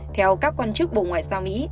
theo các quan chức bộ ngoại giao mỹ